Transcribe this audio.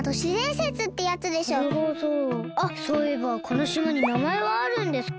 あっそういえばこのしまになまえはあるんですか？